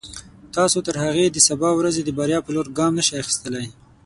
تاسو تر هغې د سبا ورځې د بریا په لور ګام نشئ اخیستلای.